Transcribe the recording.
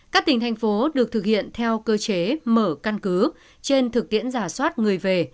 các tỉnh thành phố được thực hiện theo cơ chế mở căn cứ trên thực tiễn giả soát người về